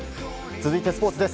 続いてスポーツです。